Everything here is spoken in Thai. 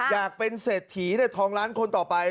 อยากเป็นเศรษฐีทองล้านคนต่อไป